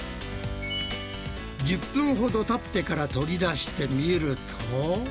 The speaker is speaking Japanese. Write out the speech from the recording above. １０分ほどたってから取り出してみると。